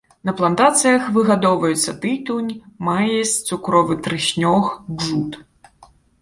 На плантацыях выгадоўваюцца тытунь, маіс, цукровы трыснёг, джут.